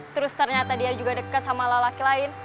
terus ternyata dia juga dekat sama lelaki lain